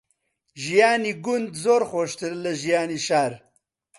ژیانی گوند زۆر خۆشترە لە ژیانی شار.